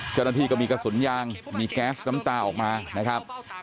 เจ้าหน้าที่ก็มีกระสุนยางมีแก๊สน้ำตาออกมานะครับ